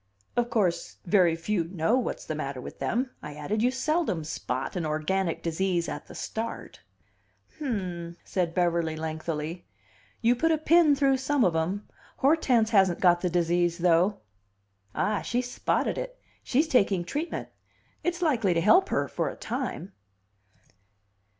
"Of course, very few know what's the matter with them," I added. "You seldom spot an organic disease at the start." "Hm," said Beverly, lengthily. "You put a pin through some of 'em. Hortense hasn't got the disease, though." "Ah, she spotted it! She's taking treatment. It's likely to help her for a time."